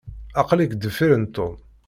Aql-ik deffir n Tom.